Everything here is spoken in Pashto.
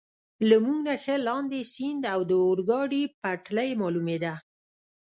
له موږ نه ښه لاندې، سیند او د اورګاډي پټلۍ معلومېده.